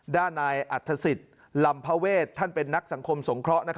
ด้านนายอัฐศิษย์ลำพระเวทท่านเป็นนักสังคมสงเคราะห์